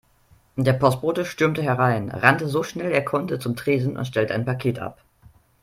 Der Postbote stürmte herein, rannte so schnell er konnte zum Tresen und stellte ein Paket ab.